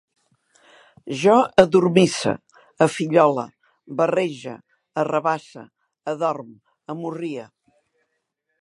Jo adormisse, afillole, barrege, arrabasse, adorm, amorrie